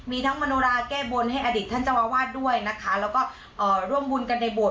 มีทั้งมโนราแก้บนให้อดีตท่านเจ้าอาวาสด้วยนะคะแล้วก็ร่วมบุญกันในโบสถ